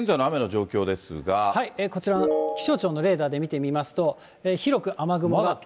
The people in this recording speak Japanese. こちら、気象庁のレーダーで見てみますと、広く雨雲があります。